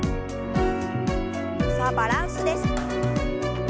さあバランスです。